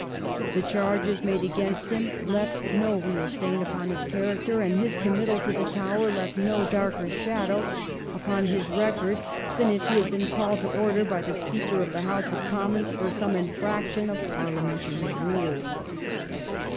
The charges made against him left no real 1712 14 A COMING MAN, 233 stain upon his character, and his committal to the Tower left no darker shadow upon his record than if he had been called to order by the Speaker of the House of Commons for some infraction of parliamentary rules.